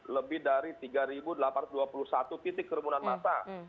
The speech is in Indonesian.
lebih dari tiga delapan ratus dua puluh satu titik kerumunan masa